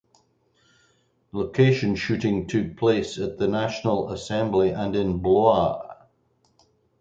Location shooting took place at the National Assembly and in Blois.